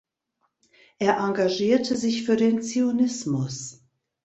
Er engagierte sich für den Zionismus.